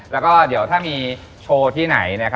แล้วก็เดี๋ยวถ้ามีโชว์ที่ไหน